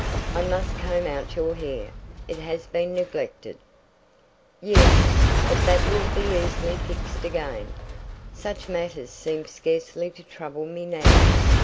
"I must comb out your hair. It has been neglected." "Yes, but that will be easily fixed up again. Such matters seem scarcely to trouble me now.